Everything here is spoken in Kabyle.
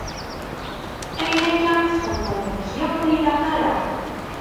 Ayen akka i txedmeḍ deg-i, ur ilaq ara.